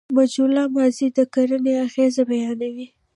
مجهوله ماضي د کړني اغېز بیانوي.